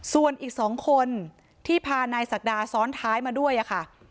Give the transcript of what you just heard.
ส่วนอีก๒คนที่พานายศักดาซ้อนท้ายมาด้วยค่ะ